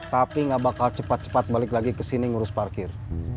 tapi gak bakal cepat cepat balik lagi kesini ngurus parkir